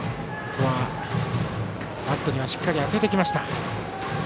ここはバットにしっかり当ててきました。